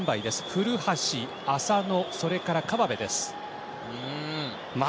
古橋、浅野、それから川辺です。